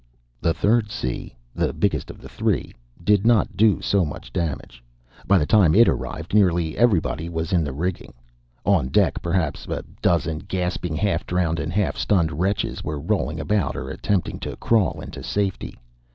The third sea the biggest of the three did not do so much damage. By the time it arrived nearly everybody was in the rigging. On deck perhaps a dozen gasping, half drowned, and half stunned wretches were rolling about or attempting to crawl into safety.